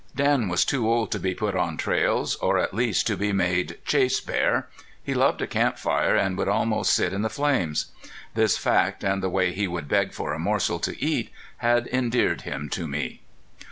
Dan was too old to be put on trails, or at least to be made chase bear. He loved a camp fire, and would almost sit in the flames. This fact, and the way he would beg for a morsel to eat, had endeared him to me.